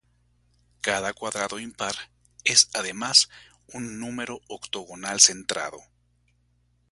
Cada cuadrado impar es además un número octogonal centrado.